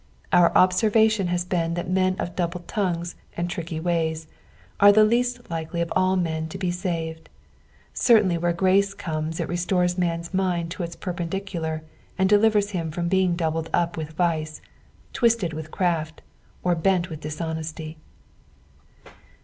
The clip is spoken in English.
Our observation has been that men ol double tongues and tricky ways are the least likely of all men to be saved : certainly where grace cornea it restores man's mind to its perpendicular, and delivers him from being doubled up with vice, twisted with craft, or bent ^ith dishonesty.